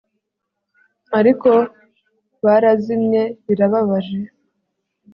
Ariko barazimye birababaje